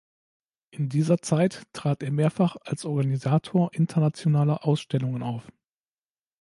In dieser Zeit trat er mehrfach als Organisator internationaler Ausstellungen auf.